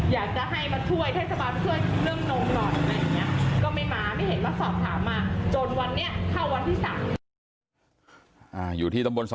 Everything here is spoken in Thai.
อยากจะให้มาถ้วยให้สบายพอถ้วย